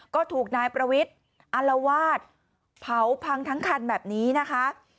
ก็ถูกนายประวิทย์อารวาสเผาพังทั้งคันแบบนี้นะคะ